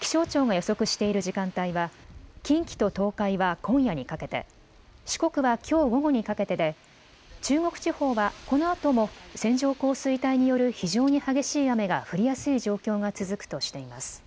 気象庁が予測している時間帯は近畿と東海は今夜にかけて、四国はきょう午後にかけてで中国地方はこのあとも線状降水帯による非常に激しい雨が降りやすい状況が続くとしています。